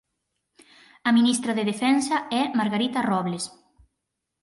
A ministra de Defensa é Margarita Robles.